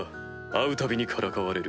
会うたびにからかわれる。